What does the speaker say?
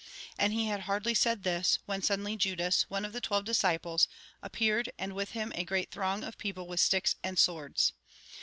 And he had hardly said this, when suddenly Judas, one of the twelve disciples, appeared, and with him a great throng of people with sticks and swords.